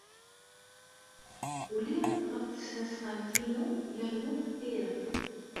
Uliɣ ɣef tesnasɣalt-inu yernu ddiɣ.